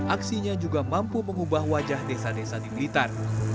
aksinya juga mampu mengubah wajah desa desa di blitar